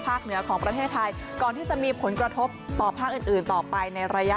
เหนือของประเทศไทยก่อนที่จะมีผลกระทบต่อภาคอื่นอื่นต่อไปในระยะ